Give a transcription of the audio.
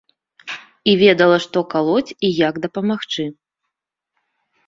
І ведала, што калоць і як дапамагчы.